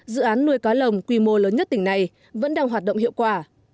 dự án nuôi cá lồng quy mô lớn nhất tỉnh này vẫn đang hoạt động hiệu quả